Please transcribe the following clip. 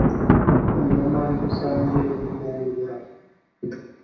incungamari rusange rirungura.